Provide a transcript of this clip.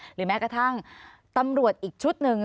หรือแม้กระทั่งตำรวจอีกชุดหนึ่ง